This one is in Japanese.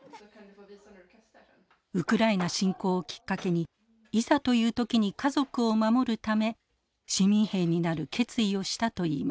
ウクライナ侵攻をきっかけにいざという時に家族を守るため市民兵になる決意をしたといいます。